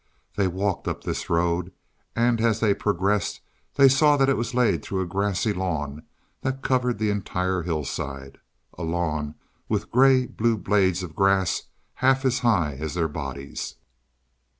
They walked up this road, and as they progressed, saw that it was laid through a grassy lawn that covered the entire hillside a lawn with gray blue blades of grass half as high as their bodies.